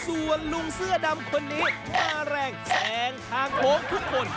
ส่วนลุงเสื้อดำคนนี้มาแรงแซงทางโค้งทุกคน